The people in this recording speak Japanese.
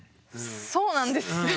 そうなんです。